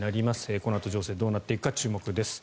このあと情勢どうなっていくのか注目です。